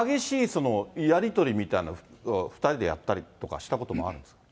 そのやり取りみたいのを２人でやったりとかしたこともあるんですか。